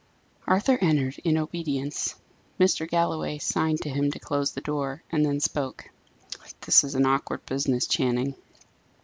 Arthur entered, in obedience. Mr. Galloway signed to him to close the door, and then spoke. "This is an awkward business, Channing."